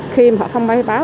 khi mà họ không khai báo